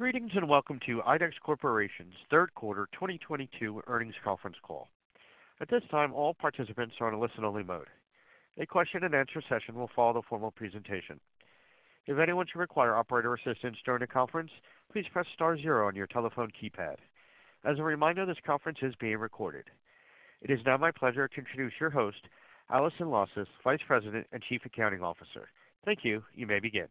Greetings, and welcome to IDEX Corporation's third quarter 2022 earnings conference call. At this time, all participants are on a listen-only mode. A question and answer session will follow the formal presentation. If anyone should require operator assistance during the conference, please press star zero on your telephone keypad. As a reminder, this conference is being recorded. It is now my pleasure to introduce your host, Allison Lausas, Vice President and Chief Accounting Officer. Thank you. You may begin.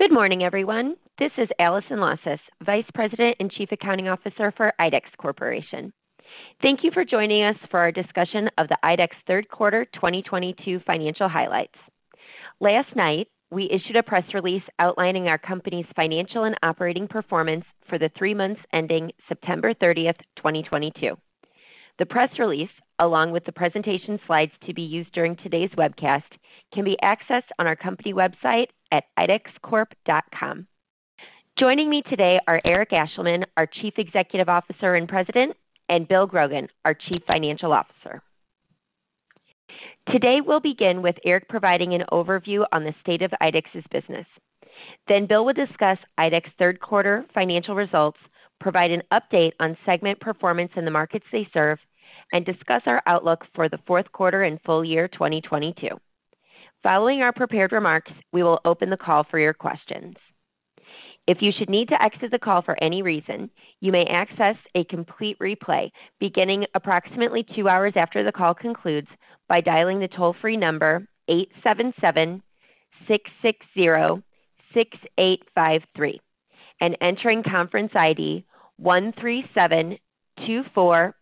Good morning, everyone. This is Allison Lausas, Vice President and Chief Accounting Officer for IDEX Corporation. Thank you for joining us for our discussion of the IDEX third quarter 2022 financial highlights. Last night, we issued a press release outlining our company's financial and operating performance for the three months ending September 30th, 2022. The press release, along with the presentation slides to be used during today's webcast, can be accessed on our company website at idexcorp.com. Joining me today are Eric Ashleman, our Chief Executive Officer and President, and Bill Grogan, our Chief Financial Officer. Today, we'll begin with Eric providing an overview on the state of IDEX's business. Then Bill will discuss IDEX third quarter financial results, provide an update on segment performance in the markets they serve, and discuss our outlook for the fourth quarter and full year 2022. Following our prepared remarks, we will open the call for your questions. If you should need to exit the call for any reason, you may access a complete replay beginning approximately two hours after the call concludes by dialing the toll-free number 877-660-6853 and entering conference ID 13724804,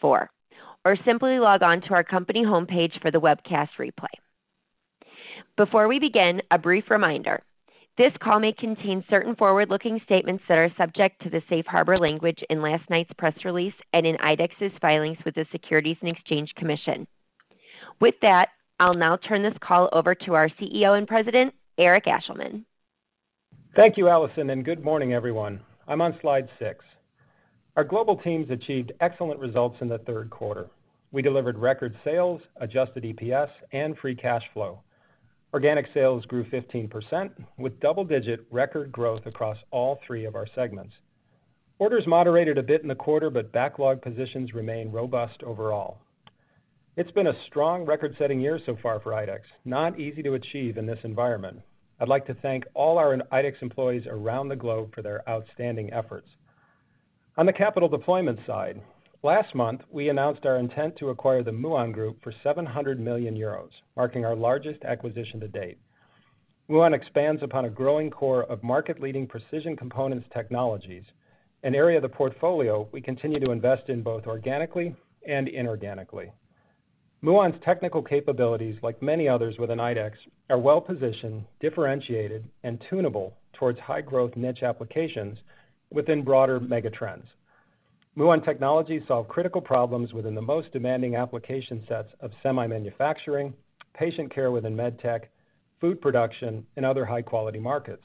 or simply log on to our company homepage for the webcast replay. Before we begin, a brief reminder. This call may contain certain forward-looking statements that are subject to the safe harbor language in last night's press release and in IDEX's filings with the Securities and Exchange Commission. With that, I'll now turn this call over to our CEO and President, Eric Ashleman. Thank you, Allison, and good morning, everyone. I'm on slide six. Our global teams achieved excellent results in the third quarter. We delivered record sales, adjusted EPS, and free cash flow. Organic sales grew 15% with double-digit record growth across all three of our segments. Orders moderated a bit in the quarter, but backlog positions remain robust overall. It's been a strong record-setting year so far for IDEX, not easy to achieve in this environment. I'd like to thank all our IDEX employees around the globe for their outstanding efforts. On the capital deployment side, last month, we announced our intent to acquire the Muon Group for 700 million euros, marking our largest acquisition to date. Muon expands upon a growing core of market-leading precision components technologies, an area of the portfolio we continue to invest in both organically and inorganically. Muon's technical capabilities, like many others within IDEX, are well-positioned, differentiated, and tunable towards high-growth niche applications within broader mega trends. Muon technologies solve critical problems within the most demanding application sets of semi manufacturing, patient care within med tech, food production, and other high-quality markets.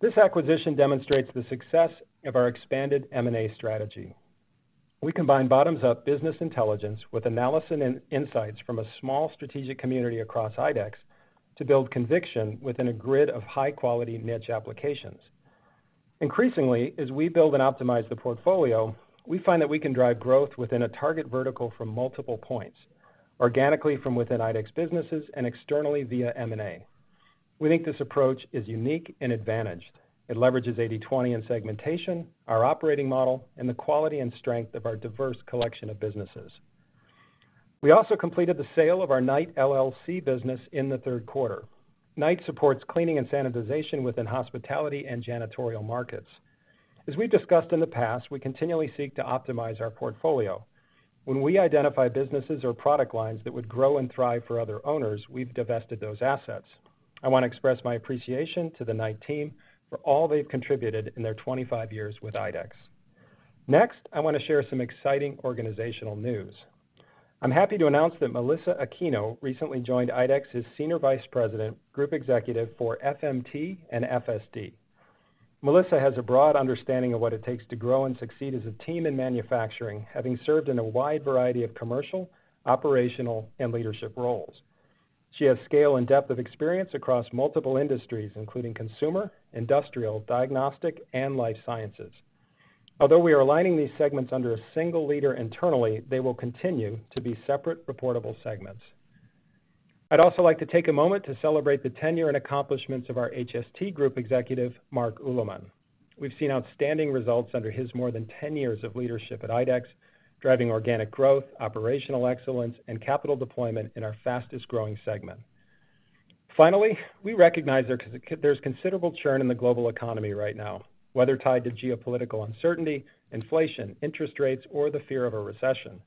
This acquisition demonstrates the success of our expanded M&A strategy. We combine bottoms-up business intelligence with analysis and insights from a small strategic community across IDEX to build conviction within a grid of high-quality niche applications. Increasingly, as we build and optimize the portfolio, we find that we can drive growth within a target vertical from multiple points, organically from within IDEX businesses and externally via M&A. We think this approach is unique and advantaged. It leverages 80/20 in segmentation, our operating model, and the quality and strength of our diverse collection of businesses. We also completed the sale of our Knight LLC business in the third quarter. Knight supports cleaning and sanitization within hospitality and janitorial markets. As we've discussed in the past, we continually seek to optimize our portfolio. When we identify businesses or product lines that would grow and thrive for other owners, we've divested those assets. I want to express my appreciation to the Knight team for all they've contributed in their 25 years with IDEX. Next, I want to share some exciting organizational news. I'm happy to announce that Melissa Aquino recently joined IDEX as Senior Vice President, Group Executive for FMT and FSD. Melissa has a broad understanding of what it takes to grow and succeed as a team in manufacturing, having served in a wide variety of commercial, operational, and leadership roles. She has scale and depth of experience across multiple industries, including consumer, industrial, diagnostic, and life sciences. Although we are aligning these segments under a single leader internally, they will continue to be separate reportable segments. I'd also like to take a moment to celebrate the tenure and accomplishments of our HST Group Executive, Marc Uleman. We've seen outstanding results under his more than 10 years of leadership at IDEX, driving organic growth, operational excellence, and capital deployment in our fastest-growing segment. Finally, we recognize there's considerable churn in the global economy right now, whether tied to geopolitical uncertainty, inflation, interest rates, or the fear of a recession.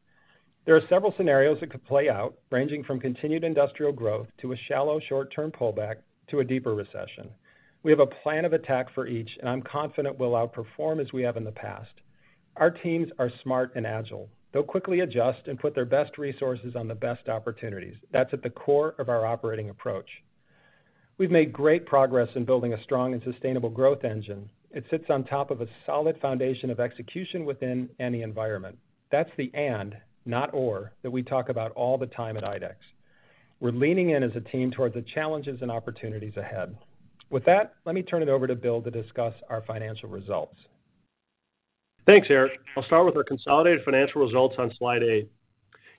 There are several scenarios that could play out, ranging from continued industrial growth to a shallow short-term pullback to a deeper recession. We have a plan of attack for each, and I'm confident we'll outperform as we have in the past. Our teams are smart and agile. They'll quickly adjust and put their best resources on the best opportunities. That's at the core of our operating approach. We've made great progress in building a strong and sustainable growth engine. It sits on top of a solid foundation of execution within any environment. That's the and, not or, that we talk about all the time at IDEX. We're leaning in as a team towards the challenges and opportunities ahead. With that, let me turn it over to Bill to discuss our financial results. Thanks, Eric. I'll start with our consolidated financial results on slide eight.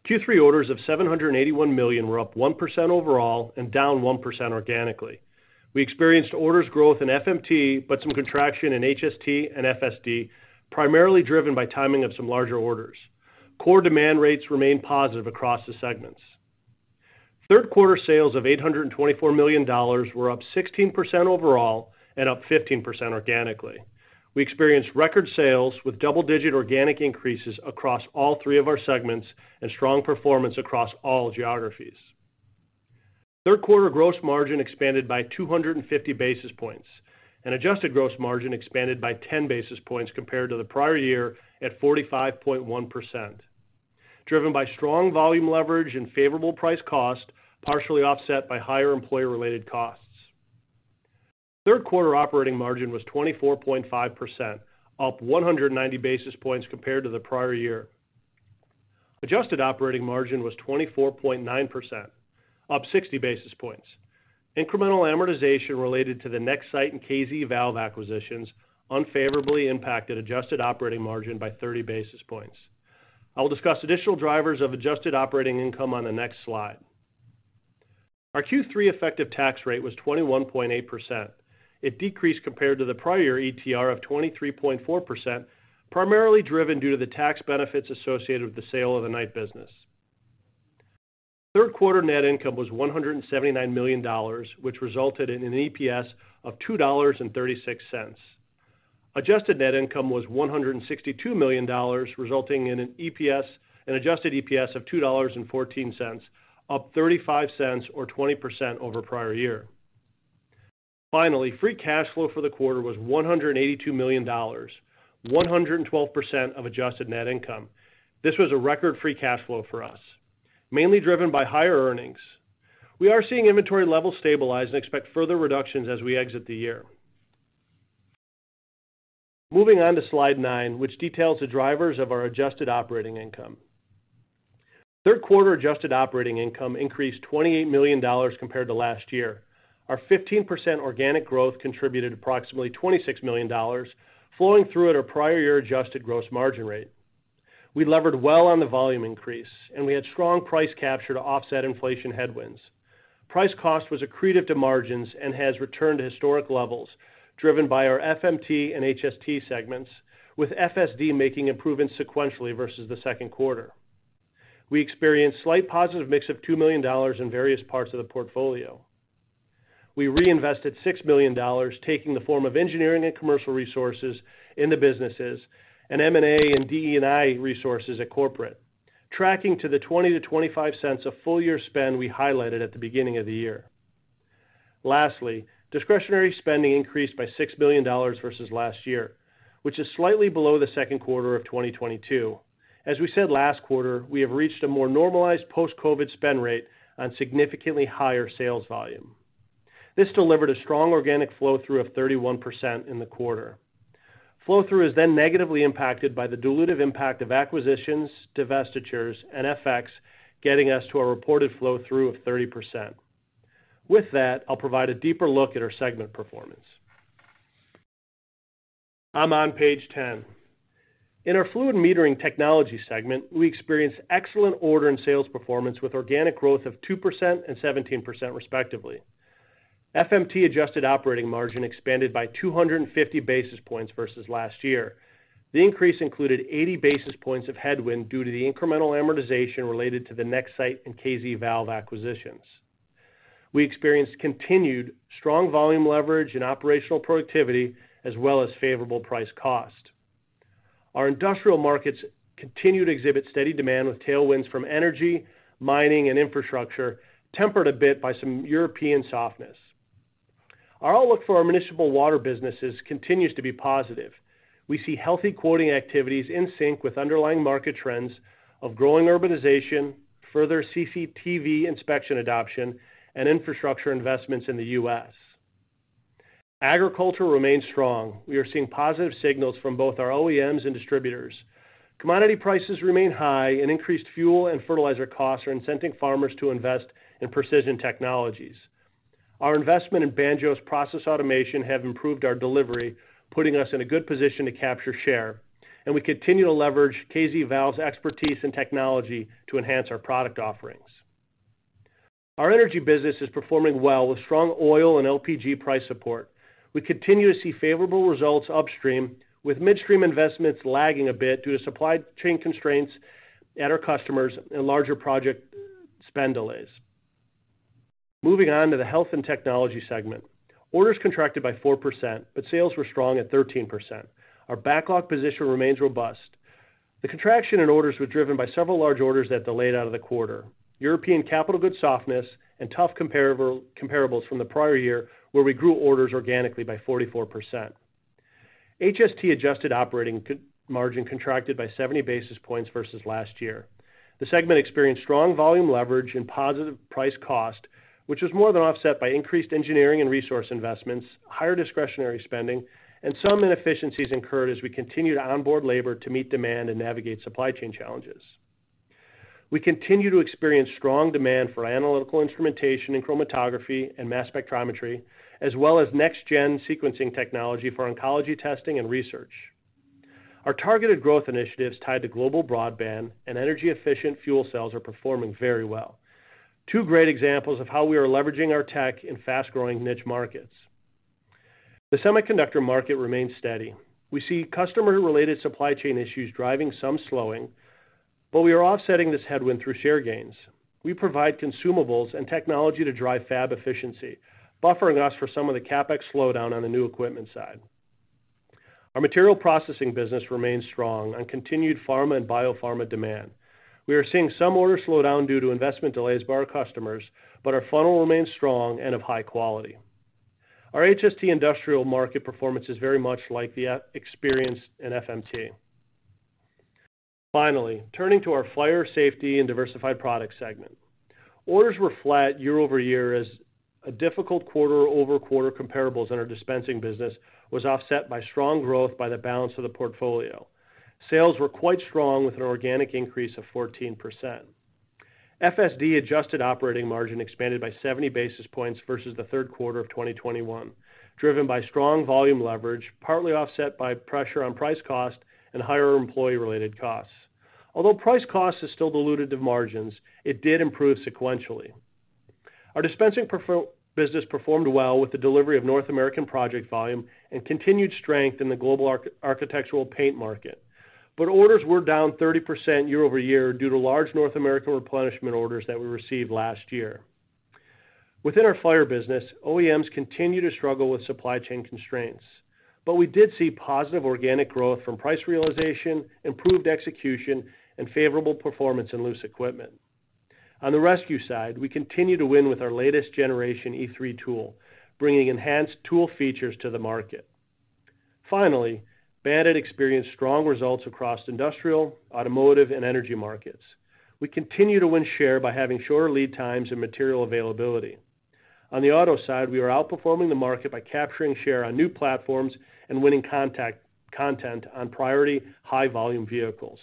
Q3 orders of $781 million were up 1% overall and down 1% organically. We experienced orders growth in FMT, but some contraction in HST and FSD, primarily driven by timing of some larger orders. Core demand rates remain positive across the segments. Third quarter sales of $824 million were up 16% overall and up 15% organically. We experienced record sales with double-digit organic increases across all three of our segments and strong performance across all geographies. Third quarter gross margin expanded by 250 basis points, and adjusted gross margin expanded by 10 basis points compared to the prior year at 45.1%, driven by strong volume leverage and favorable price cost, partially offset by higher employee-related costs. Third quarter operating margin was 24.5%, up 190 basis points compared to the prior year. Adjusted operating margin was 24.9%, up 60 basis points. Incremental amortization related to the Nexsight and KZValve acquisitions unfavorably impacted adjusted operating margin by 30 basis points. I will discuss additional drivers of adjusted operating income on the next slide. Our Q3 effective tax rate was 21.8%. It decreased compared to the prior year ETR of 23.4%, primarily driven due to the tax benefits associated with the sale of the Knight business. Third quarter net income was $179 million, which resulted in an EPS of $2.36. Adjusted net income was $162 million, resulting in an adjusted EPS of $2.14, up $0.35 or 20% over prior year. Free cash flow for the quarter was $182 million, 112% of adjusted net income. This was a record free cash flow for us, mainly driven by higher earnings. We are seeing inventory levels stabilize and expect further reductions as we exit the year. Moving on to slide nine, which details the drivers of our adjusted operating income. Third quarter adjusted operating income increased $28 million compared to last year. Our 15% organic growth contributed approximately $26 million, flowing through at our prior year adjusted gross margin rate. We levered well on the volume increase, and we had strong price capture to offset inflation headwinds. Price-cost was accretive to margins and has returned to historic levels, driven by our FMT and HST segments, with FSD making improvements sequentially versus the second quarter. We experienced slight positive mix of $2 million in various parts of the portfolio. We reinvested $6 million, taking the form of engineering and commercial resources in the businesses and M&A and DE&I resources at corporate, tracking to the $0.20-$0.25 full year spend we highlighted at the beginning of the year. Lastly, discretionary spending increased by $6 million versus last year, which is slightly below the second quarter of 2022. As we said last quarter, we have reached a more normalized post-COVID spend rate on significantly higher sales volume. This delivered a strong organic flow-through of 31% in the quarter. Flow-through is then negatively impacted by the dilutive impact of acquisitions, divestitures, and FX getting us to a reported flow-through of 30%. With that, I'll provide a deeper look at our segment performance. I'm on page 10. In our Fluid Metering Technology segment, we experienced excellent order and sales performance with organic growth of 2% and 17% respectively. FMT adjusted operating margin expanded by 250 basis points versus last year. The increase included 80 basis points of headwind due to the incremental amortization related to the Nexsight and KZValve acquisitions. We experienced continued strong volume leverage and operational productivity, as well as favorable price cost. Our industrial markets continued to exhibit steady demand with tailwinds from energy, mining, and infrastructure, tempered a bit by some European softness. Our outlook for our municipal water businesses continues to be positive. We see healthy quoting activities in sync with underlying market trends of growing urbanization, further CCTV inspection adoption, and infrastructure investments in the U.S. Agriculture remains strong. We are seeing positive signals from both our OEMs and distributors. Commodity prices remain high, and increased fuel and fertilizer costs are incenting farmers to invest in precision technologies. Our investment in Banjo's process automation have improved our delivery, putting us in a good position to capture share, and we continue to leverage KZValve's expertise and technology to enhance our product offerings. Our energy business is performing well with strong oil and LPG price support. We continue to see favorable results upstream, with midstream investments lagging a bit due to supply chain constraints at our customers and larger project spend delays. Moving on to the health and technology segment. Orders contracted by 4%, but sales were strong at 13%. Our backlog position remains robust. The contraction in orders was driven by several large orders that delayed out of the quarter. European capital goods softness had tough comparables from the prior year, where we grew orders organically by 44%. HST adjusted operating margin contracted by 70 basis points versus last year. The segment experienced strong volume leverage and positive price cost, which was more than offset by increased engineering and resource investments, higher discretionary spending, and some inefficiencies incurred as we continued to onboard labor to meet demand and navigate supply chain challenges. We continue to experience strong demand for analytical instrumentation in chromatography and mass spectrometry, as well as next gen sequencing technology for oncology testing and research. Our targeted growth initiatives tied to global broadband and energy efficient fuel cells are performing very well. Two great examples of how we are leveraging our tech in fast-growing niche markets. The semiconductor market remains steady. We see customer related supply chain issues driving some slowing, but we are offsetting this headwind through share gains. We provide consumables and technology to drive fab efficiency, buffering us for some of the CapEx slowdown on the new equipment side. Our material processing business remains strong on continued pharma and biopharma demand. We are seeing some order slowdown due to investment delays by our customers, but our funnel remains strong and of high quality. Our HST industrial market performance is very much like the experience in FMT. Finally, turning to our Fire & Safety and diversified product segment. Orders were flat year-over-year as a difficult quarter-over-quarter comparables in our dispensing business was offset by strong growth in the balance of the portfolio. Sales were quite strong with an organic increase of 14%. FSD adjusted operating margin expanded by 70 basis points versus the third quarter of 2021, driven by strong volume leverage, partly offset by pressure on price-cost and higher employee-related costs. Although price-cost is still dilutive margins, it did improve sequentially. Our dispensing business performed well with the delivery of North American project volume and continued strength in the global architectural paint market. Orders were down 30% year-over-year due to large North American replenishment orders that we received last year. Within our fire business, OEMs continue to struggle with supply chain constraints, but we did see positive organic growth from price realization, improved execution, and favorable performance in loose equipment. On the rescue side, we continue to win with our latest generation E3 tool, bringing enhanced tool features to the market. Finally, BAND-IT experienced strong results across industrial, automotive, and energy markets. We continue to win share by having shorter lead times and material availability. On the auto side, we are outperforming the market by capturing share on new platforms and winning content on priority high volume vehicles.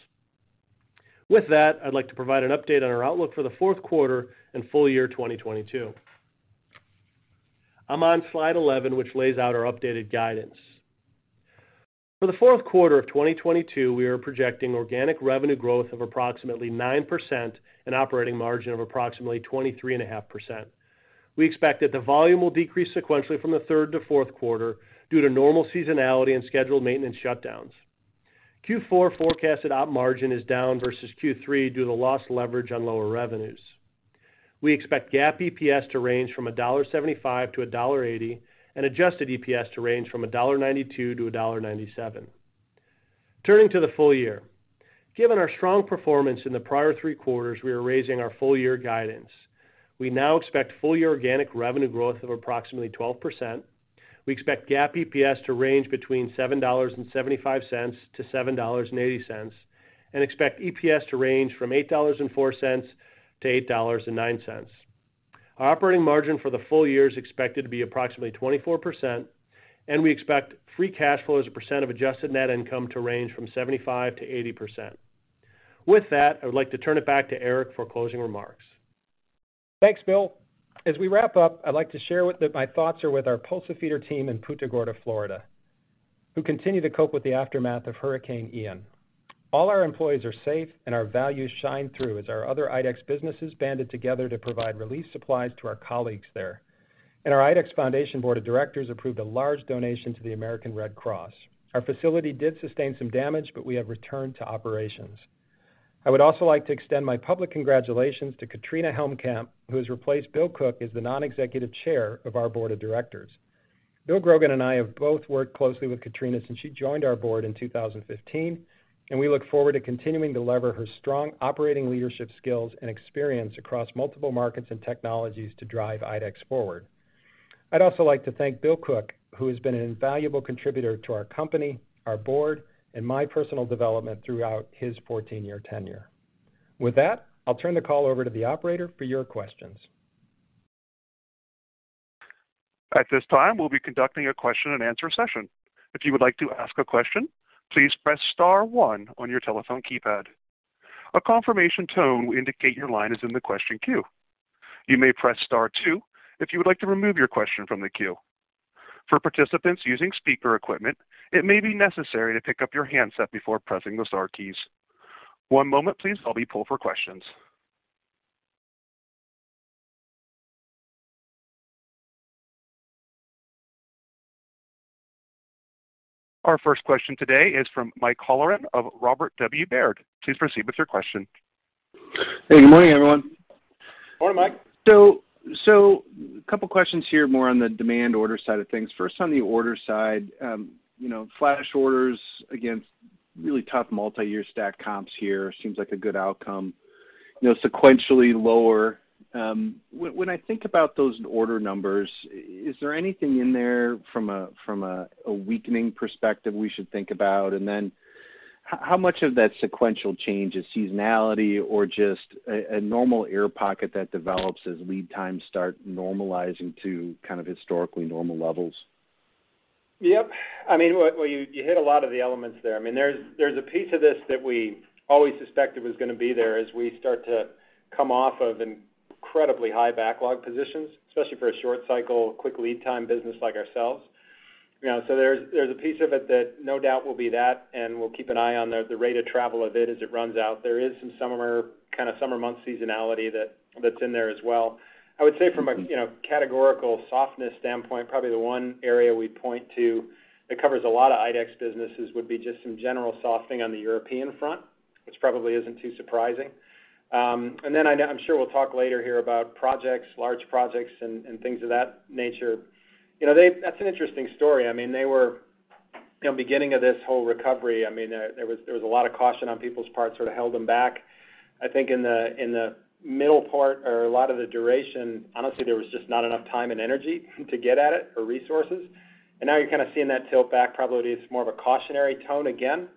With that, I'd like to provide an update on our outlook for the fourth quarter and full year 2022. I'm on slide 11, which lays out our updated guidance. For the fourth quarter of 2022, we are projecting organic revenue growth of approximately 9% and operating margin of approximately 23.5%. We expect that the volume will decrease sequentially from the third to fourth quarter due to normal seasonality and scheduled maintenance shutdowns. Q4 forecasted op margin is down versus Q3 due to the less leverage on lower revenues. We expect GAAP EPS to range from $1.75-$1.80, and adjusted EPS to range from $1.92-$1.97. Turning to the full year. Given our strong performance in the prior three quarters, we are raising our full-year guidance. We now expect full year organic revenue growth of approximately 12%. We expect GAAP EPS to range between $7.75-$7.80, and expect EPS to range from $8.04-$8.09. Our operating margin for the full year is expected to be approximately 24%, and we expect free cash flow as a percent of adjusted net income to range from 75%-80%. With that, I would like to turn it back to Eric for closing remarks. Thanks, Bill. As we wrap up, I'd like to share that my thoughts are with our Pulsafeeder team in Punta Gorda, Florida, who continue to cope with the aftermath of Hurricane Ian. All our employees are safe, and our values shine through as our other IDEX businesses banded together to provide relief supplies to our colleagues there. Our IDEX Foundation Board of Directors approved a large donation to the American Red Cross. Our facility did sustain some damage, but we have returned to operations. I would also like to extend my public congratulations to Katrina Helmkamp, who has replaced Bill Cook as the non-executive chair of our board of directors. Bill Grogan and I have both worked closely with Katrina since she joined our board in 2015, and we look forward to continuing to leverage her strong operating leadership skills and experience across multiple markets and technologies to drive IDEX forward. I'd also like to thank Bill Cook, who has been an invaluable contributor to our company, our board, and my personal development throughout his 14 year tenure. With that, I'll turn the call over to the operator for your questions. At this time, we'll be conducting a question-and-answer session. If you would like to ask a question, please press star one on your telephone keypad. A confirmation tone will indicate your line is in the question queue. You may press star two if you would like to remove your question from the queue. For participants using speaker equipment, it may be necessary to pick up your handset before pressing the star keys. One moment please while we poll for questions. Our first question today is from Mike Halloran of Robert W. Baird. Please proceed with your question. Hey, good morning, everyone. Morning, Mike. Couple questions here more on the demand order side of things. First, on the order side, you know, flash orders against really tough multi-year stack comps here seems like a good outcome, you know, sequentially lower. When I think about those order numbers, is there anything in there from a weakening perspective we should think about? How much of that sequential change is seasonality or just a normal air pocket that develops as lead times start normalizing to kind of historically normal levels? Yep. I mean, well, you hit a lot of the elements there. I mean, there's a piece of this that we always suspected was gonna be there as we start to come off of incredibly high backlog positions, especially for a short cycle, quick lead time business like ourselves. You know, so there's a piece of it that no doubt will be that, and we'll keep an eye on the rate of travel of it as it runs out. There is some summer, kind of summer month seasonality that's in there as well. I would say from a, you know, categorical softness standpoint, probably the one area we'd point to that covers a lot of IDEX businesses would be just some general softening on the European front, which probably isn't too surprising. I know, I'm sure we'll talk later here about projects, large projects and things of that nature. You know, they. That's an interesting story. I mean, they were, you know, beginning of this whole recovery, I mean, there was a lot of caution on people's parts sort of held them back. I think in the middle part or a lot of the duration, honestly, there was just not enough time and energy to get at it or resources. Now you're kind of seeing that tilt back, probably it's more of a cautionary tone again.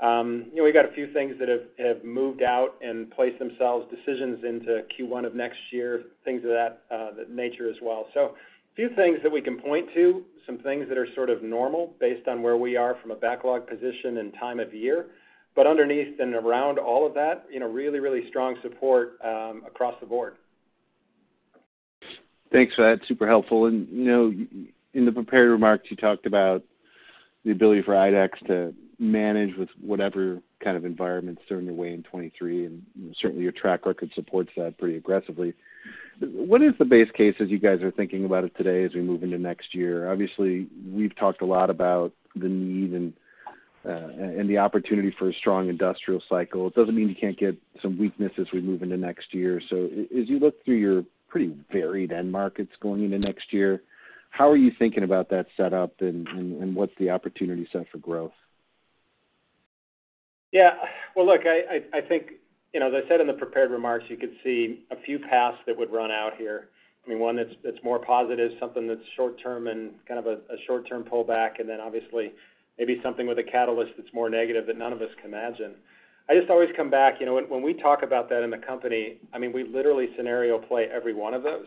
You know, we've got a few things that have moved out and placed themselves decisions into Q1 of next year, things of that nature as well. A few things that we can point to, some things that are sort of normal based on where we are from a backlog position and time of year. Underneath and around all of that, you know, really, really strong support across the board. Thanks for that. Super helpful. You know, in the prepared remarks, you talked about the ability for IDEX to manage with whatever kind of environment's thrown your way in 2023, and certainly your track record supports that pretty aggressively. What is the base case as you guys are thinking about it today as we move into next year? Obviously, we've talked a lot about the need and the opportunity for a strong industrial cycle. It doesn't mean you can't get some weakness as we move into next year. As you look through your pretty varied end markets going into next year, how are you thinking about that setup and what's the opportunity set for growth? Yeah. Well, look, I think, you know, as I said in the prepared remarks, you could see a few paths that would run out here. I mean, one that's more positive, something that's short term and kind of a short-term pullback, and then obviously maybe something with a catalyst that's more negative that none of us can imagine. I just always come back, you know, when we talk about that in the company, I mean, we literally scenario play every one of those.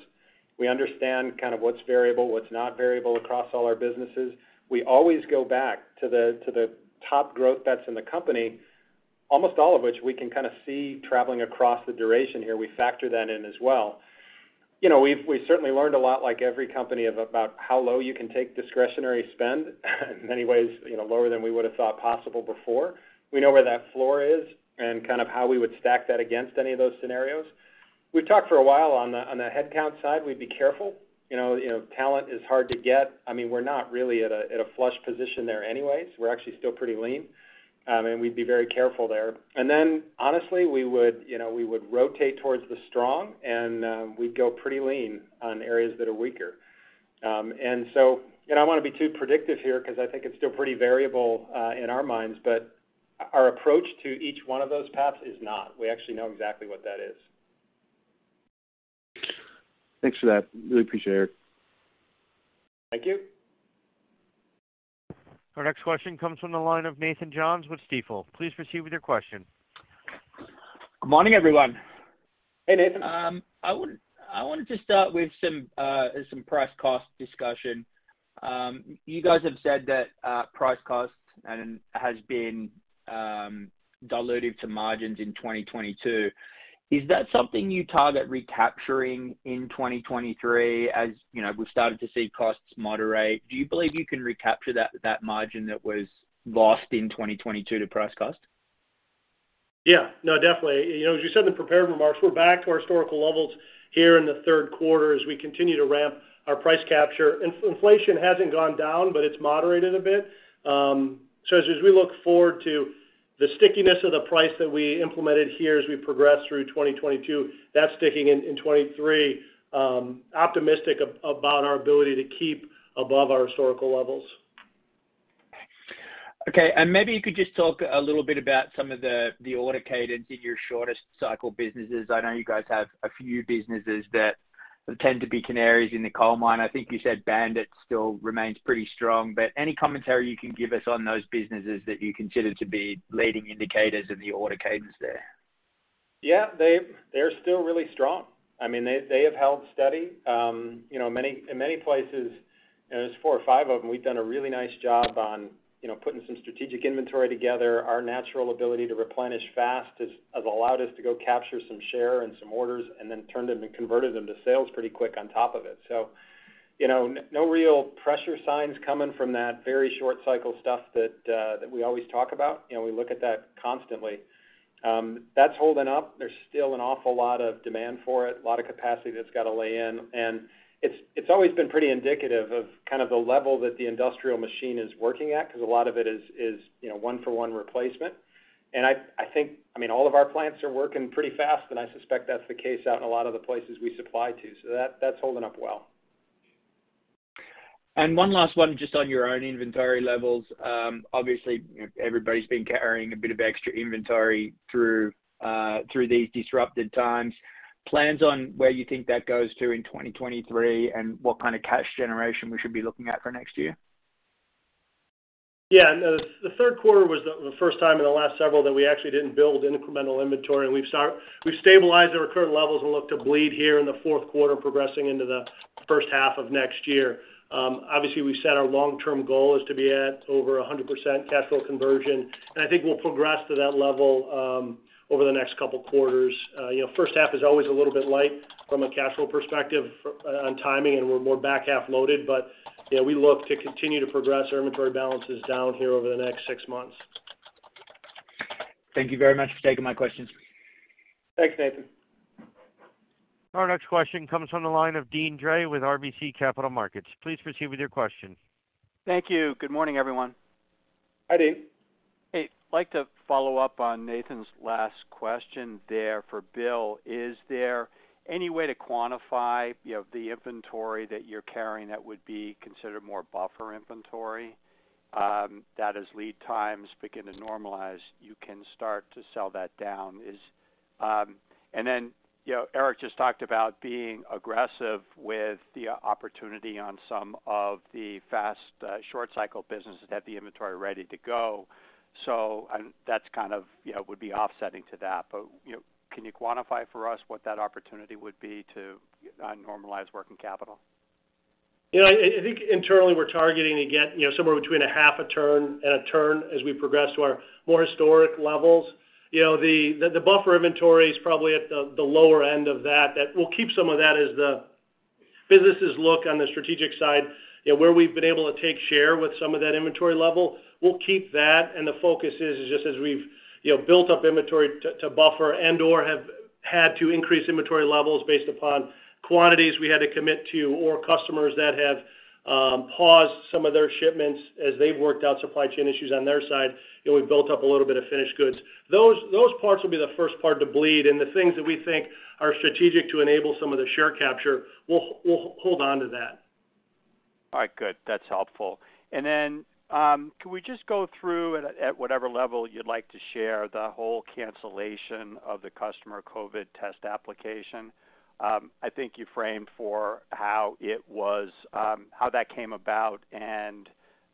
We understand kind of what's variable, what's not variable across all our businesses. We always go back to the top growth that's in the company, almost all of which we can kind of see traveling across the duration here. We factor that in as well. You know, we've certainly learned a lot like every company of about how low you can take discretionary spend in many ways, you know, lower than we would've thought possible before. We know where that floor is and kind of how we would stack that against any of those scenarios. We've talked for a while on the headcount side, we'd be careful, you know. You know, talent is hard to get. I mean, we're not really at a flush position there anyways. We're actually still pretty lean. We'd be very careful there. Honestly, we would, you know, we would rotate towards the strong and, we'd go pretty lean on areas that are weaker. You know, I don't wanna be too predictive here 'cause I think it's still pretty variable in our minds, but our approach to each one of those paths is not. We actually know exactly what that is. Thanks for that. Really appreciate it. Thank you. Our next question comes from the line of Nathan Jones with Stifel. Please proceed with your question. Good morning, everyone. Hey, Nathan. I wanted to start with some price cost discussion. You guys have said that price cost has been dilutive to margins in 2022. Is that something you target recapturing in 2023, as you know, we've started to see costs moderate? Do you believe you can recapture that margin that was lost in 2022 to price cost? Yeah. No, definitely. You know, as you said in the prepared remarks, we're back to our historical levels here in the third quarter as we continue to ramp our price capture. Inflation hasn't gone down, but it's moderated a bit. As we look forward to the stickiness of the price that we implemented here as we progress through 2022, that's sticking in 2023. Optimistic about our ability to keep above our historical levels. Okay. Maybe you could just talk a little bit about some of the order cadence in your shortest cycle businesses. I know you guys have a few businesses that tend to be canaries in the coal mine. I think you said BAND-IT still remains pretty strong. But any commentary you can give us on those businesses that you consider to be leading indicators of the order cadence there? Yeah. They're still really strong. I mean, they have held steady. You know, many, in many places, you know, there's four or five of them. We've done a really nice job on, you know, putting some strategic inventory together. Our natural ability to replenish fast has allowed us to go capture some share and some orders, and then turned them and converted them to sales pretty quick on top of it. You know, no real pressure signs coming from that very short cycle stuff that we always talk about. You know, we look at that constantly. That's holding up. There's still an awful lot of demand for it, a lot of capacity that's gotta lay in. It's always been pretty indicative of kind of the level that the industrial machine is working at 'cause a lot of it is you know, one-for-one replacement. I think, I mean, all of our plants are working pretty fast, and I suspect that's the case out in a lot of the places we supply to. That's holding up well. One last one just on your own inventory levels. Obviously, you know, everybody's been carrying a bit of extra inventory through these disrupted times. Plans on where you think that goes to in 2023, and what kind of cash generation we should be looking at for next year? The third quarter was the first time in the last several that we actually didn't build incremental inventory, and we've stabilized our current levels and look to bleed here in the fourth quarter progressing into the first half of next year. Obviously, we set our long-term goal is to be at over 100% cash flow conversion, and I think we'll progress to that level over the next couple quarters. You know, first half is always a little bit light from a cash flow perspective on timing, and we're more back-half loaded. Yeah, we look to continue to progress our inventory balances down here over the next six months. Thank you very much for taking my questions. Thanks, Nathan. Our next question comes from the line of Deane Dray with RBC Capital Markets. Please proceed with your question. Thank you. Good morning, everyone. Hi, Deane. I'd like to follow up on Nathan's last question there for Bill. Is there any way to quantify, you know, the inventory that you're carrying that would be considered more buffer inventory, that as lead times begin to normalize, you can start to sell that down? You know, Eric just talked about being aggressive with the opportunity on some of the fast, short cycle businesses to have the inventory ready to go. That's kind of, you know, would be offsetting to that. You know, can you quantify for us what that opportunity would be to normalize working capital? You know, I think internally we're targeting to get you know somewhere between a half a turn and a turn as we progress to our more historic levels. You know, the buffer inventory is probably at the lower end of that we'll keep some of that as the businesses look on the strategic side. You know, where we've been able to take share with some of that inventory level, we'll keep that, and the focus is just as we've you know built up inventory to buffer and/or have had to increase inventory levels based upon quantities we had to commit to, or customers that have paused some of their shipments as they've worked out supply chain issues on their side, you know, we've built up a little bit of finished goods. Those parts will be the first part to bleed. The things that we think are strategic to enable some of the share capture, we'll hold on to that. All right. Good. That's helpful. Can we just go through at whatever level you'd like to share the whole cancellation of the custom COVID test application? I think you framed it for how it was, how that came about and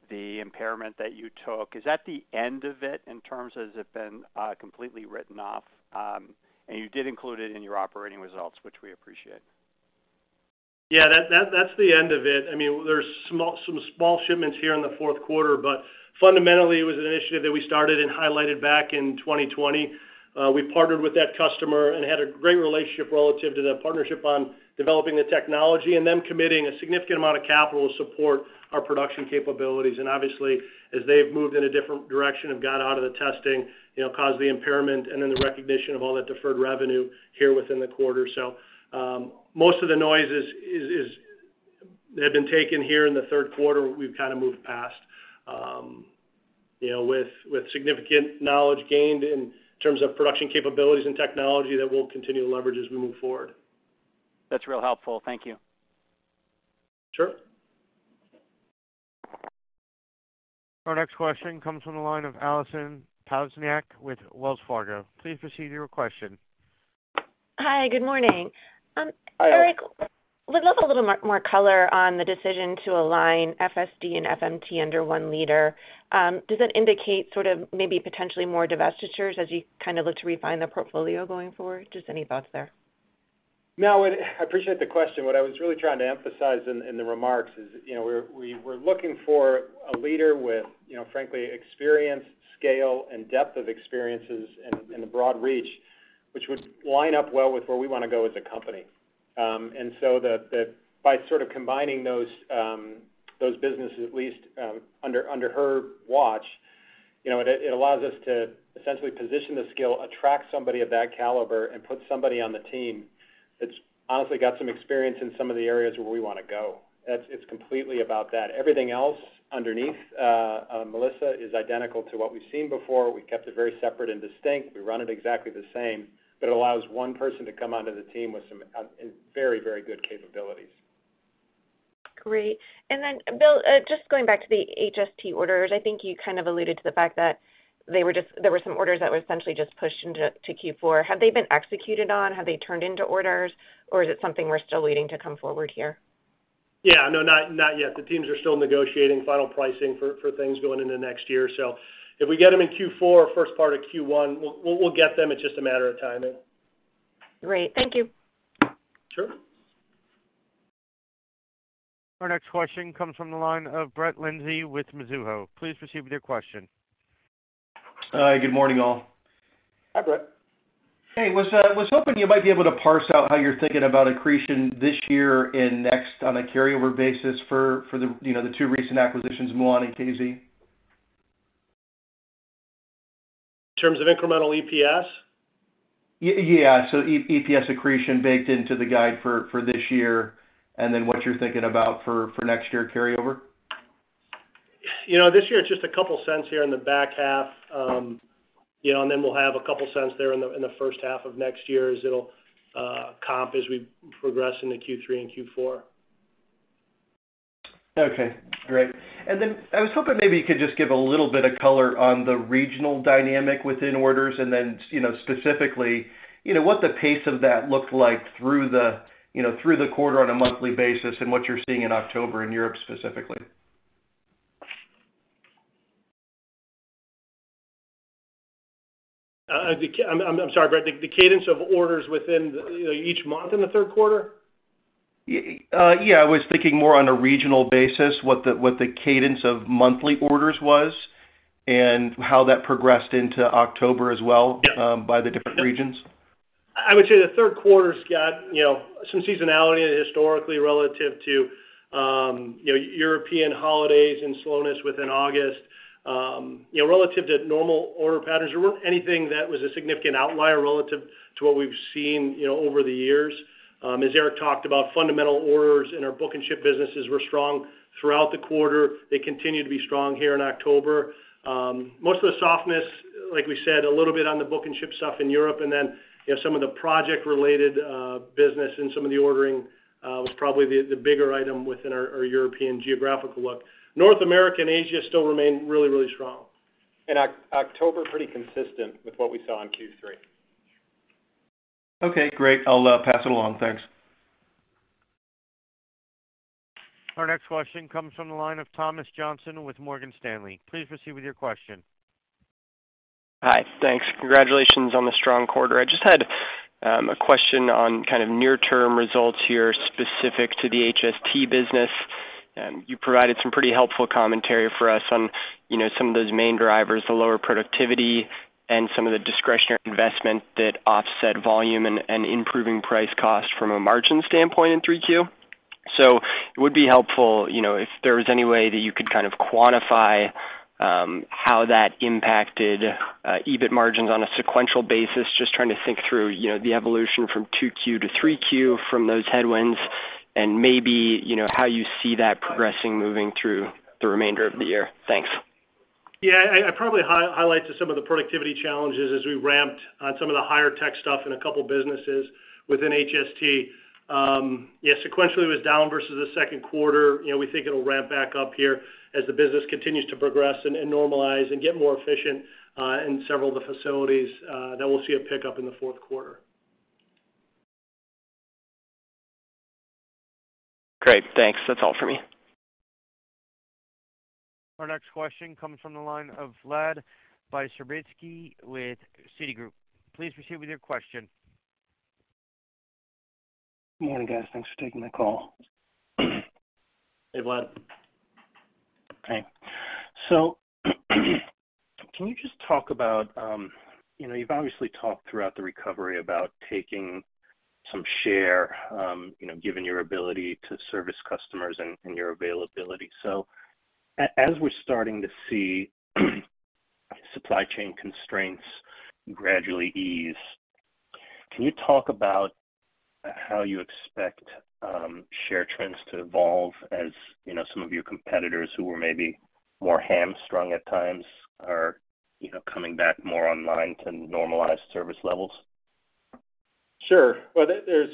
the impairment that you took. Is that the end of it in terms of it being completely written off? You did include it in your operating results, which we appreciate. Yeah. That's the end of it. I mean, there's some small shipments here in the fourth quarter, but fundamentally it was an initiative that we started and highlighted back in 2020. We partnered with that customer and had a great relationship relative to the partnership on developing the technology and them committing a significant amount of capital to support our production capabilities. Obviously, as they've moved in a different direction and got out of the testing, you know, caused the impairment and then the recognition of all that deferred revenue here within the quarter. Most of the noise had been taken here in the third quarter. We've kind of moved past, you know, with significant knowledge gained in terms of production capabilities and technology that we'll continue to leverage as we move forward. That's really helpful. Thank you. Sure. Our next question comes from the line of Allison Poliniak-Cusic with Wells Fargo. Please proceed with your question. Hi. Good morning. Hi. Eric, would love a little more color on the decision to align FSD and FMT under one leader. Does that indicate sort of maybe potentially more divestitures as you kind of look to refine the portfolio going forward? Just any thoughts there. No. I appreciate the question. What I was really trying to emphasize in the remarks is, you know, we were looking for a leader with, you know, frankly, experience, scale, and depth of experiences and a broad reach, which would line up well with where we wanna go as a company. By sort of combining those businesses at least under her watch, you know, it allows us to essentially position the scale, attract somebody of that caliber, and put somebody on the team that's honestly got some experience in some of the areas where we wanna go. It's completely about that. Everything else underneath, Melissa, is identical to what we've seen before. We kept it very separate and distinct. We run it exactly the same, but it allows one person to come onto the team with some and very, very good capabilities. Great. Bill, just going back to the HST orders, I think you kind of alluded to the fact that there were some orders that were essentially just pushed into Q4. Have they been executed on? Have they turned into orders? Or is it something we're still waiting to come forward here? Yeah. No, not yet. The teams are still negotiating final pricing for things going into next year. If we get them in Q4 or first part of Q1, we'll get them. It's just a matter of timing. Great. Thank you. Sure. Our next question comes from the line of Brett Linzey with Mizuho. Please proceed with your question. Hi. Good morning, all. Hi, Brett. Hey. Was hoping you might be able to parse out how you're thinking about accretion this year and next on a carryover basis for, you know, the two recent acquisitions, Muon and KZValve. In terms of incremental EPS? Yeah. EPS accretion baked into the guide for this year, and then what you're thinking about for next year carryover. You know, this year it's just a couple cents here in the back half. You know, and then we'll have a couple cents there in the first half of next year as it'll comp as we progress into Q3 and Q4. Okay. Great. I was hoping maybe you could just give a little bit of color on the regional dynamic within orders, you know, specifically, you know, what the pace of that looked like through the, you know, through the quarter on a monthly basis and what you're seeing in October in Europe specifically? I'm sorry, Brett, the cadence of orders within, you know, each month in the third quarter? Yeah, I was thinking more on a regional basis what the cadence of monthly orders was, and how that progressed into October as well. Yeah by the different regions. I would say the third quarter's got, you know, some seasonality historically relative to you know European holidays and slowness within August. You know, relative to normal order patterns, there weren't anything that was a significant outlier relative to what we've seen, you know, over the years. As Eric talked about, fundamental orders in our book and ship businesses were strong throughout the quarter. They continue to be strong here in October. Most of the softness, like we said, a little bit on the book and ship stuff in Europe, and then you have some of the project related business and some of the ordering was probably the bigger item within our European geographical look. North America and Asia still remain really, really strong. October pretty consistent with what we saw in Q3. Okay, great. I'll pass it along. Thanks. Our next question comes from the line of Thomas Johnson with Morgan Stanley. Please proceed with your question. Hi. Thanks. Congratulations on the strong quarter. I just had a question on kind of near term results here specific to the HST business. You provided some pretty helpful commentary for us on, you know, some of those main drivers, the lower productivity and some of the discretionary investment that offset volume and improving price cost from a margin standpoint in 3Q. It would be helpful, you know, if there was any way that you could kind of quantify how that impacted EBIT margins on a sequential basis. Just trying to think through, you know, the evolution from 2Q-3Q from those headwinds and maybe, you know, how you see that progressing moving through the remainder of the year. Thanks. Yeah. I probably highlight to some of the productivity challenges as we ramped on some of the higher tech stuff in a couple businesses within HST. Yeah, sequentially was down versus the second quarter. You know, we think it'll ramp back up here as the business continues to progress and normalize and get more efficient in several of the facilities that we'll see a pickup in the fourth quarter. Great. Thanks. That's all for me. Our next question comes from the line of Vlad Bystricky with Citigroup. Please proceed with your question. Good morning, guys. Thanks for taking my call. Hey, Vlad. Hi. Can you just talk about, you know, you've obviously talked throughout the recovery about taking some share, you know, given your ability to service customers and your availability. As we're starting to see supply chain constraints gradually ease, can you talk about how you expect share trends to evolve as, you know, some of your competitors who were maybe more hamstrung at times are, you know, coming back more online to normalized service levels? Sure. Well, there's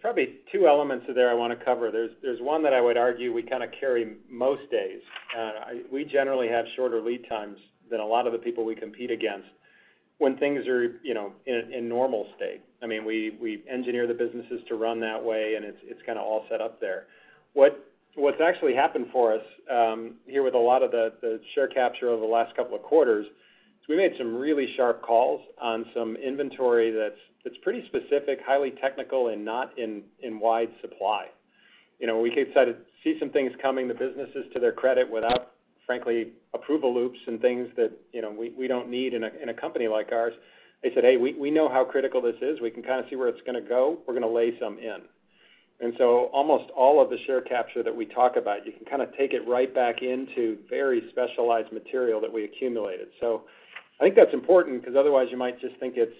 probably two elements there I wanna cover. There's one that I would argue we kind of carry most days. We generally have shorter lead times than a lot of the people we compete against when things are, you know, in normal state. I mean, we engineer the businesses to run that way, and it's kind of all set up there. What's actually happened for us here with a lot of the share capture over the last couple of quarters is we made some really sharp calls on some inventory that's pretty specific, highly technical, and not in wide supply. You know, we decided to see some things coming to businesses to their credit without, frankly, approval loops and things that, you know, we don't need in a company like ours. They said, "Hey, we know how critical this is. We can kind of see where it's gonna go. We're gonna lay some in." Almost all of the share capture that we talk about, you can kind of take it right back into very specialized material that we accumulated. I think that's important 'cause otherwise you might just think it's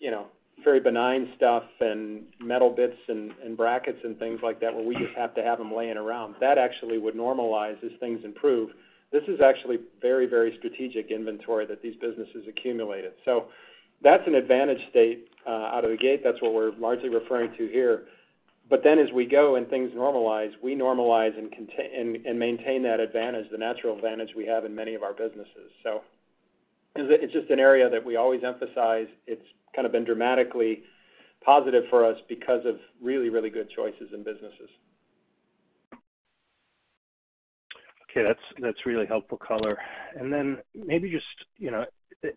you know, very benign stuff and metal bits and brackets and things like that, where we just have to have them laying around. That actually would normalize as things improve. This is actually very, very strategic inventory that these businesses accumulated. That's an advantage state out of the gate. That's what we're largely referring to here. As we go and things normalize, we normalize and maintain that advantage, the natural advantage we have in many of our businesses. It's just an area that we always emphasize. It's kind of been dramatically positive for us because of really, really good choices in businesses. Okay. That's really helpful color. Then maybe just, you know,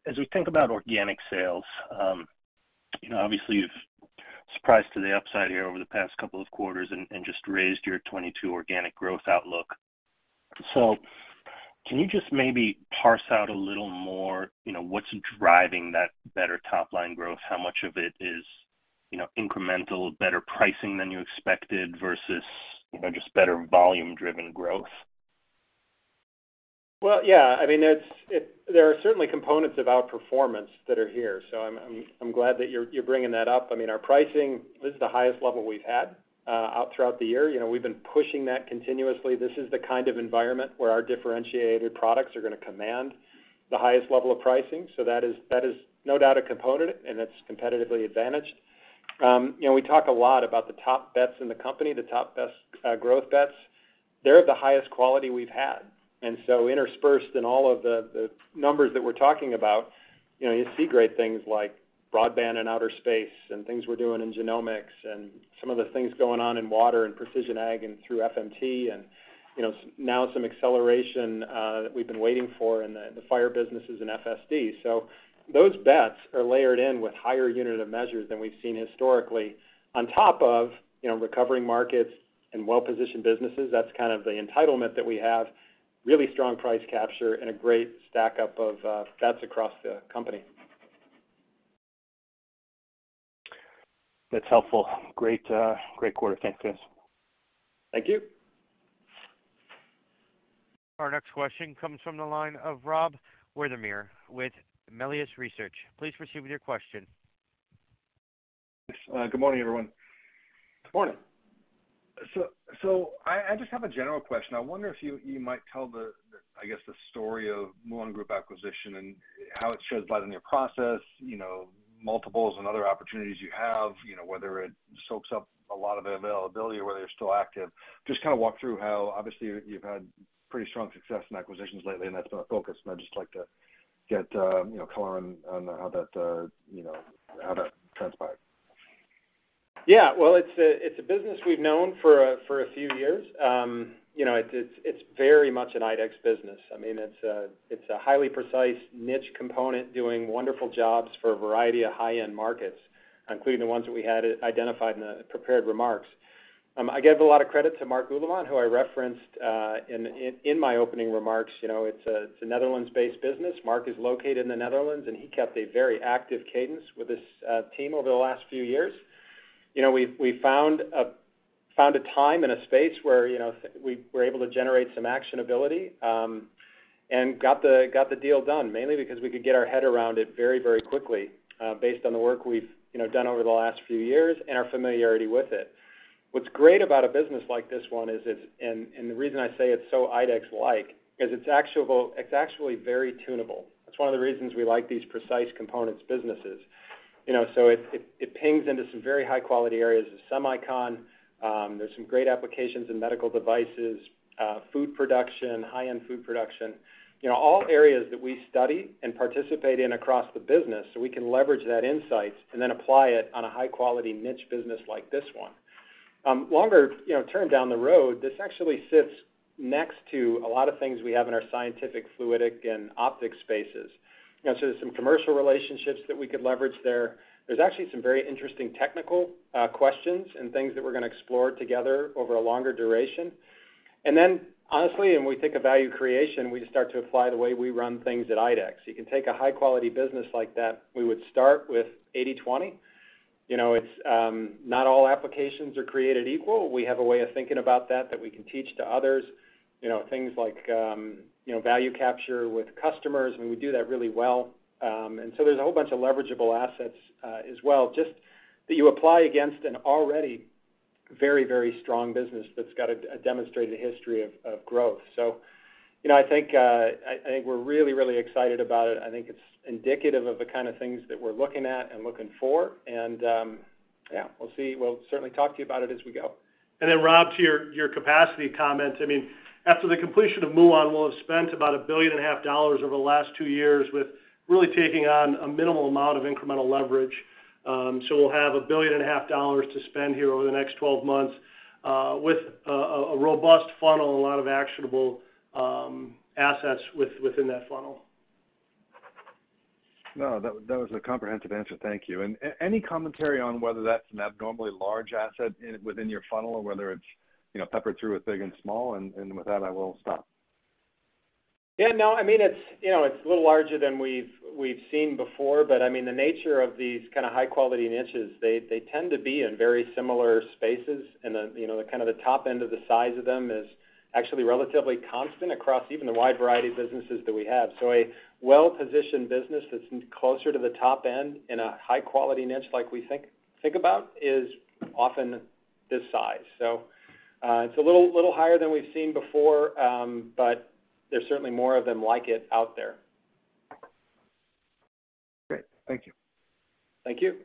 as we think about organic sales, you know, obviously you've surprised to the upside here over the past couple of quarters and just raised your 2022 organic growth outlook. Can you just maybe parse out a little more, you know, what's driving that better top line growth? How much of it is, you know, incremental better pricing than you expected versus, you know, just better volume driven growth? Yeah, I mean, there are certainly components of outperformance that are here, so I'm glad that you're bringing that up. I mean, our pricing is the highest level we've had throughout the year. You know, we've been pushing that continuously. This is the kind of environment where our differentiated products are gonna command the highest level of pricing. That is no doubt a component, and it's competitively advantaged. You know, we talk a lot about the top bets in the company, the top growth bets. They're the highest quality we've had. Interspersed in all of the numbers that we're talking about, you know, you see great things like Broadband in outer space and things we're doing in genomics and some of the things going on in water and precision ag and through FMT and, you know, now some acceleration that we've been waiting for in the fire businesses and FSD. Those bets are layered in with higher unit of measures than we've seen historically. On top of, you know, recovering markets and well-positioned businesses, that's kind of the entitlement that we have, really strong price capture and a great stack up of bets across the company. That's helpful. Great quarter. Thanks, guys. Thank you. Our next question comes from the line of Rob Wertheimer with Melius Research. Please proceed with your question. Thanks. Good morning, everyone. Good morning. I just have a general question. I wonder if you might tell the, I guess, the story of Muon Group acquisition and how it sheds light on your process, you know, multiples and other opportunities you have, you know, whether it soaks up a lot of availability or whether you're still active. Just kind of walk through how. Obviously, you've had pretty strong success in acquisitions lately, and that's been a focus, and I'd just like to get, you know, color on how that, you know, how that transpired. Yeah. Well, it's a business we've known for a few years. You know, it's very much an IDEX business. I mean, it's a highly precise niche component doing wonderful jobs for a variety of high-end markets, including the ones that we had identified in the prepared remarks. I give a lot of credit to [Marc Uleman, who I referenced in my opening remarks. You know, it's a Netherlands-based business. Mark is located in the Netherlands, and he kept a very active cadence with this team over the last few years. You know, we found a time and a space where you know we were able to generate some actionability, and got the deal done, mainly because we could get our head around it very quickly, based on the work we've done over the last few years and our familiarity with it. What's great about a business like this one is. The reason I say it's so IDEX-like is it's actually very tunable. That's one of the reasons we like these precise components businesses. You know, so it plugs into some very high-quality areas of semicon. There's some great applications in medical devices, food production, high-end food production. You know, all areas that we study and participate in across the business, so we can leverage those insights and then apply it on a high-quality niche business like this one. Longer term down the road, this actually sits next to a lot of things we have in our scientific fluidics and optics spaces. You know, so there's some commercial relationships that we could leverage there. There's actually some very interesting technical questions and things that we're gonna explore together over a longer duration. Honestly, when we think of value creation, we just start to apply the way we run things at IDEX. You can take a high-quality business like that, we would start with 80/20. You know, it's not all applications are created equal. We have a way of thinking about that that we can teach to others. You know, things like, you know, value capture with customers, and we do that really well. There's a whole bunch of leverageable assets, as well, just that you apply against an already very, very strong business that's got a demonstrated history of growth. You know, I think we're really, really excited about it. I think it's indicative of the kind of things that we're looking at and looking for. Yeah, we'll see. We'll certainly talk to you about it as we go. Rob, to your capacity comments, I mean, after the completion of Muon, we'll have spent about $1.5 billion over the last two years with really taking on a minimal amount of incremental leverage. We'll have $1.5 billion to spend here over the next 12 months, with a robust funnel and a lot of actionable assets within that funnel. No, that was a comprehensive answer. Thank you. Any commentary on whether that's an abnormally large asset within your funnel or whether it's, you know, peppered through with big and small? With that, I will stop. Yeah, no, I mean, it's, you know, it's a little larger than we've seen before, but I mean, the nature of these kind of high quality niches, they tend to be in very similar spaces. The, you know, the kind of the top end of the size of them is actually relatively constant across even the wide variety of businesses that we have. A well-positioned business that's closer to the top end in a high quality niche like we think about is often this size. It's a little higher than we've seen before, but there's certainly more of them like it out there. Great. Thank you. Thank you.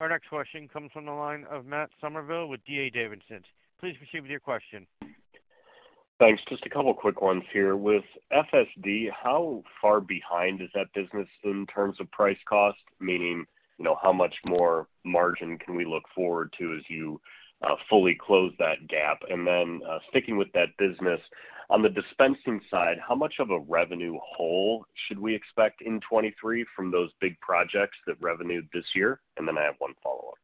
Our next question comes from the line of Matt Summerville with D.A. Davidson. Please proceed with your question. Thanks. Just a couple quick ones here. With FSD, how far behind is that business in terms of price cost? Meaning, you know, how much more margin can we look forward to as you fully close that GAAP? Then sticking with that business, on the dispensing side, how much of a revenue hole should we expect in 2023 from those big projects that revenued this year? I have one follow-up.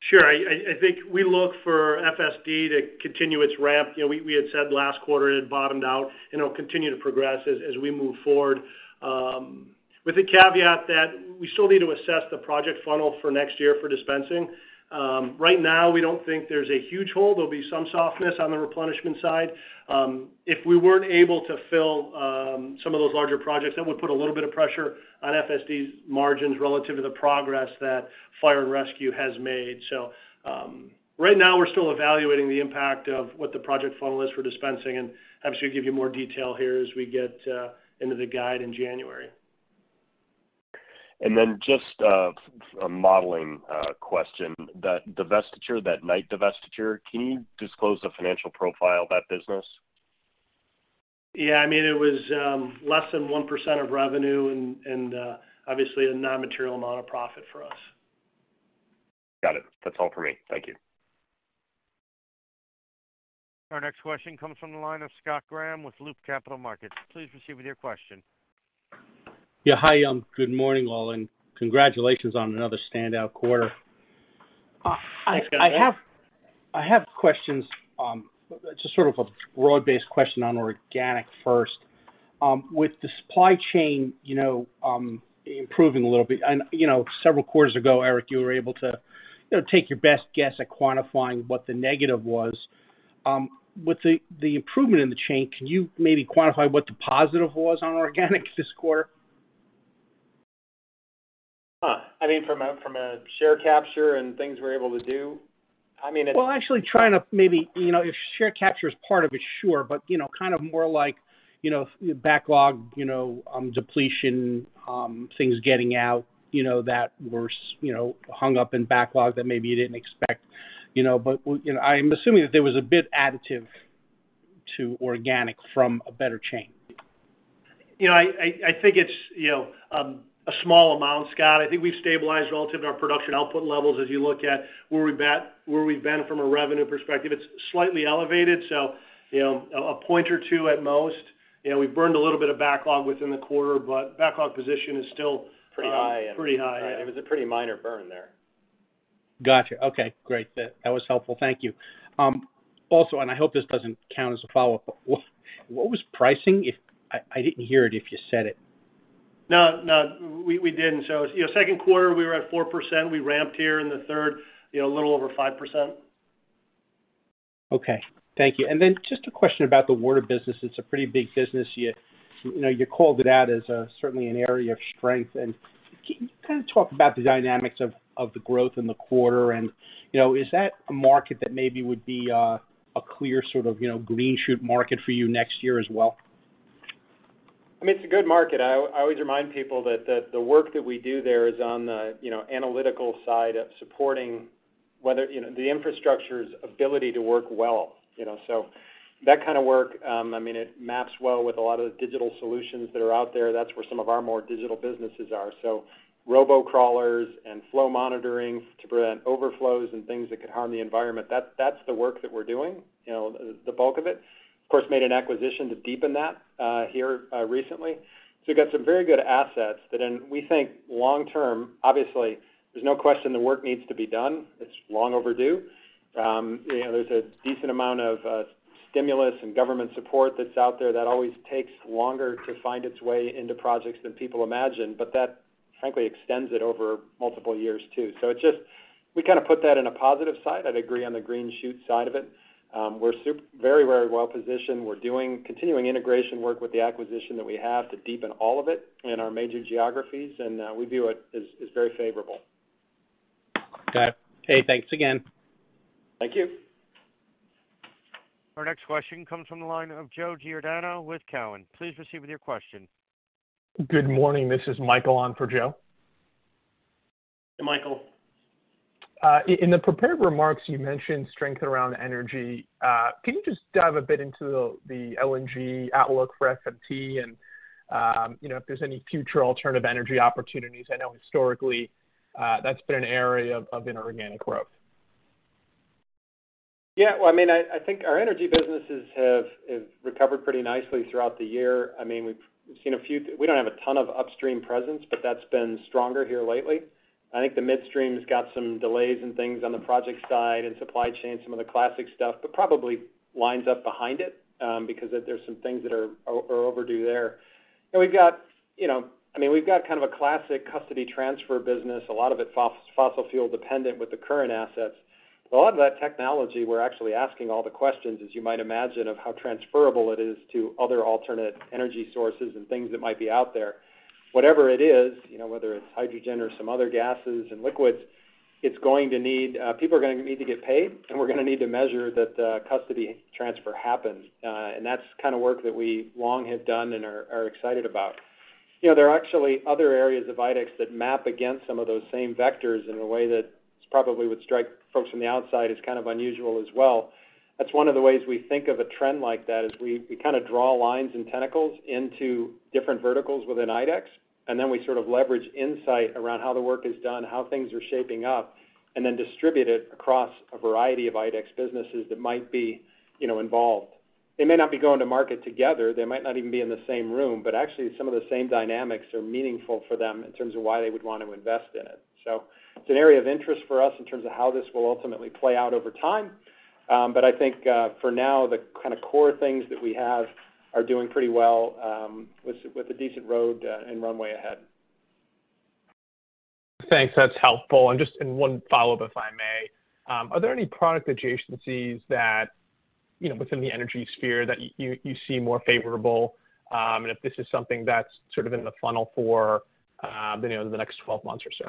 Sure. I think we look for FSD to continue its ramp. You know, we had said last quarter it had bottomed out, and it'll continue to progress as we move forward, with the caveat that we still need to assess the project funnel for next year for dispensing. Right now, we don't think there's a huge hole. There'll be some softness on the replenishment side. If we weren't able to fill some of those larger projects, that would put a little bit of pressure on FSD's margins relative to the progress that Fire & Safety has made. Right now we're still evaluating the impact of what the project funnel is for dispensing, and obviously we'll give you more detail here as we get into the guide in January. Just a modeling question. That divestiture, that Knight divestiture, can you disclose the financial profile of that business? Yeah, I mean, it was less than 1% of revenue and obviously a non-material amount of profit for us. Got it. That's all for me. Thank you. Our next question comes from the line of Scott Graham with Loop Capital Markets. Please proceed with your question. Yeah. Hi, good morning, all, and congratulations on another standout quarter. Thanks, Scott. I have questions. Just sort of a broad-based question on organic first. With the supply chain, you know, improving a little bit and, you know, several quarters ago, Eric, you were able to, you know, take your best guess at quantifying what the negative was. With the improvement in the chain, can you maybe quantify what the positive was on organic this quarter? I mean, from a share capture and things we're able to do, I mean, it's. Well, actually trying to maybe, you know, if share capture is part of it, sure. You know, kind of more like, you know, backlog, you know, depletion, things getting out, you know, that were you know, hung up in backlog that maybe you didn't expect, you know. You know, I'm assuming that there was a bit additive to organic from a better supply chain. You know, I think it's, you know, a small amount, Scott. I think we've stabilized relative to our production output levels as you look at where we've been from a revenue perspective. It's slightly elevated, so, you know, a point or two at most. You know, we've burned a little bit of backlog within the quarter, but backlog position is still. Pretty high and. Pretty high, yeah. It was a pretty minor burn there. Gotcha. Okay, great. That was helpful. Thank you. Also, I hope this doesn't count as a follow-up. What was pricing? I didn't hear it if you said it. No, we didn't. You know, second quarter we were at 4%. We ramped here in the third, you know, a little over 5%. Okay. Thank you. Just a question about the water business. It's a pretty big business. You know, you called it out as certainly an area of strength. Can you kinda talk about the dynamics of the growth in the quarter and, you know, is that a market that maybe would be a clear sort of, you know, green shoot market for you next year as well? I mean, it's a good market. I always remind people that the work that we do there is on the analytical side of supporting weather the infrastructure's ability to work well, you know. That kind of work, I mean, it maps well with a lot of the digital solutions that are out there. That's where some of our more digital businesses are. Robo crawlers and flow monitoring to prevent overflows and things that could harm the environment, that's the work that we're doing, you know, the bulk of it. Of course, made an acquisition to deepen that very recently. We've got some very good assets that we think, long term, obviously, there's no question the work needs to be done. It's long overdue. You know, there's a decent amount of stimulus and government support that's out there that always takes longer to find its way into projects than people imagine. That frankly extends it over multiple years too. It just, we kind of put that in a positive side. I'd agree on the green shoot side of it. We're very, very well positioned. We're doing continuing integration work with the acquisition that we have to deepen all of it in our major geographies, and we view it as very favorable. Got it. Okay, thanks again. Thank you. Our next question comes from the line of Joseph Giordano with Cowen. Please proceed with your question. Good morning. This is Michael on for Joe. Hey, Michael. In the prepared remarks, you mentioned strength around energy. Can you just dive a bit into the LNG outlook for FMT and, you know, if there's any future alternative energy opportunities? I know historically, that's been an area of inorganic growth. Yeah. Well, I mean, I think our energy businesses have recovered pretty nicely throughout the year. I mean, we've seen a few. We don't have a ton of upstream presence, but that's been stronger here lately. I think the mid-stream's got some delays and things on the project side and supply chain, some of the classic stuff, but probably lines up behind it, because there's some things that are overdue there. We've got, you know, I mean, we've got kind of a classic custody transfer business, a lot of it fossil fuel dependent with the current assets. A lot of that technology, we're actually asking all the questions, as you might imagine, of how transferable it is to other alternate energy sources and things that might be out there. Whatever it is, you know, whether it's hydrogen or some other gases and liquids, it's going to need. People are gonna need to get paid, and we're gonna need to measure that the custody transfer happens. That's the kind of work that we long have done and are excited about. You know, there are actually other areas of IDEX that map against some of those same vectors in a way that probably would strike folks from the outside as kind of unusual as well. That's one of the ways we think of a trend like that, is we kind of draw lines and tentacles into different verticals within IDEX, and then we sort of leverage insight around how the work is done, how things are shaping up, and then distribute it across a variety of IDEX businesses that might be, you know, involved. They may not be going to market together, they might not even be in the same room, but actually some of the same dynamics are meaningful for them in terms of why they would want to invest in it. It's an area of interest for us in terms of how this will ultimately play out over time. I think, for now, the kind of core things that we have are doing pretty well, with a decent road, and runway ahead. Thanks. That's helpful. Just one follow-up, if I may. Are there any product adjacencies that, you know, within the energy sphere that you see more favorable? And if this is something that's sort of in the funnel for, you know, the next 12 months or so?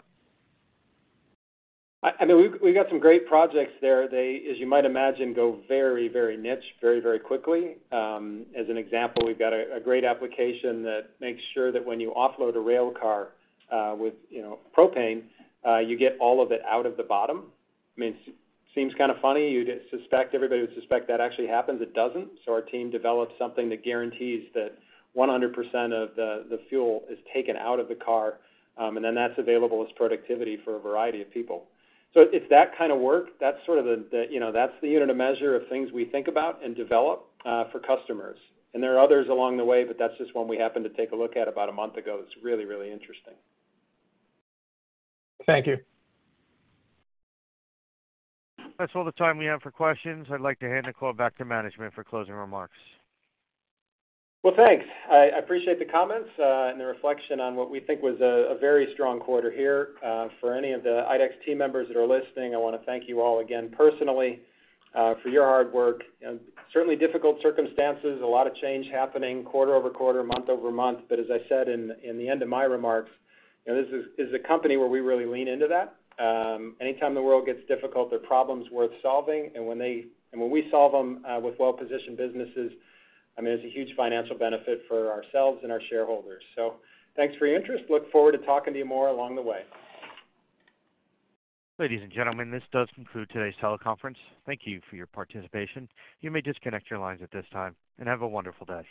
I mean, we've got some great projects there. They, as you might imagine, go very niche very quickly. As an example, we've got a great application that makes sure that when you offload a rail car with you know propane you get all of it out of the bottom. I mean, seems kind of funny. You'd suspect everybody would suspect that actually happens. It doesn't. Our team developed something that guarantees that 100% of the fuel is taken out of the car. And then that's available as productivity for a variety of people. It's that kind of work, that's sort of the you know that's the unit of measure of things we think about and develop for customers. There are others along the way, but that's just one we happened to take a look at about a month ago that's really, really interesting. Thank you. That's all the time we have for questions. I'd like to hand the call back to management for closing remarks. Well, thanks. I appreciate the comments and the reflection on what we think was a very strong quarter here. For any of the IDEX team members that are listening, I wanna thank you all again personally for your hard work. Certainly difficult circumstances, a lot of change happening quarter-over-quarter, month-over-month, but as I said in the end of my remarks, you know, this is a company where we really lean into that. Anytime the world gets difficult, there are problems worth solving, and when we solve them with well-positioned businesses, I mean, there's a huge financial benefit for ourselves and our shareholders. Thanks for your interest. Look forward to talking to you more along the way. Ladies and gentlemen, this does conclude today's teleconference. Thank you for your participation. You may disconnect your lines at this time, and have a wonderful day.